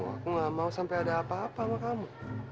aku gak mau sampai ada apa apa sama kamu